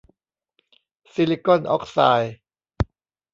ซิลิกอนออกไซด์